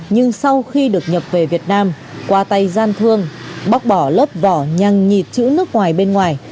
nhưng sau khi được nhập về việt nam qua tay gian thương bóc bỏ lớp vỏ nhăng nhịt chữ nước ngoài bên ngoài